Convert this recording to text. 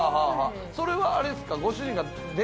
それはあれっすか。